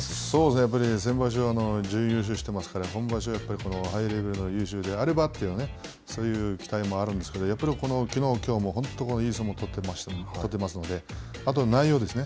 やっぱり先場所、準優勝していますから、今場所、ハイレベルの優勝であればという、そういう期待もあるんですけど、やっぱりきのう、きょうも本当いい相撲を取っていますので、あとは内容ですね。